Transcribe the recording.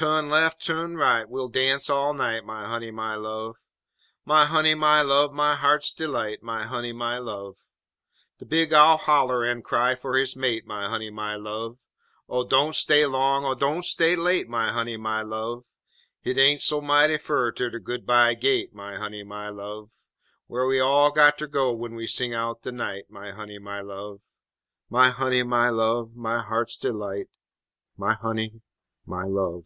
Tu'n lef, tu'n right, we'll dance all night, My honey, my love! My honey, my love, my heart's delight My honey, my love! De big Owl holler en cry fer his mate, My honey, my love! Oh, don't stay long! Oh, don't stay late! My honey, my love! Hit ain't so mighty fur ter de Good by Gate, My honey, my love! Whar we all got ter go w'en we sing out de night, My honey, my love! _My honey, my love, my heart's delight My honey, my love!